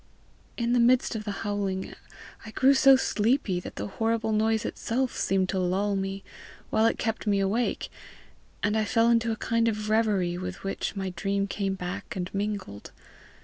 "In the midst of the howling I grew so sleepy that the horrible noise itself seemed to lull me while it kept me awake, and I fell into a kind of reverie with which my dream came back and mingled.